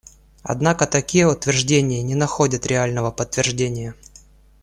Однако такие утверждения не находят реального подтверждения.